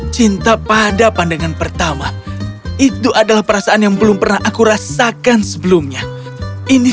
cinta pada pandangan pertama itu adalah perasaan yang belum pernah aku rasakan sebelumnya ini